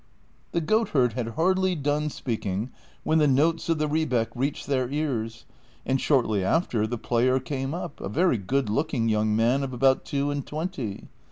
The goatherd had hardly done speaking, when the notes of the rebeck reached their ears ; and shortly after, the player came up, a very good looking yoiuig man of about two and twenty.